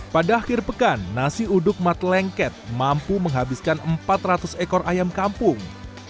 pada akhir pekan nasi uduk mat lengket mampu menghabiskan empat ratus ekor ayam kampung